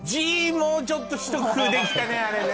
もうちょっとひと工夫できたねあれね。